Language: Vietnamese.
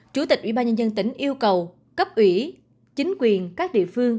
chủ tịch ủy ban nhân dân tỉnh yêu cầu cấp ủy chính quyền các địa phương